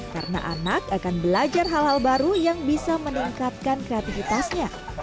karena anak akan belajar hal hal baru yang bisa meningkatkan kreatifitasnya